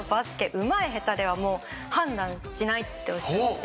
うまい下手ではもう判断しないっておっしゃってて。